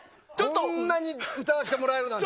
こんなに歌わせてもらえるなんて。